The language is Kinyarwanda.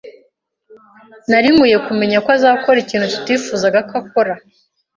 Nari nkwiye kumenya ko azakora ikintu tutifuzaga ko akora.